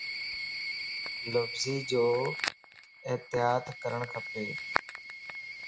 لفظي جو احتياط ڪرڻ کپ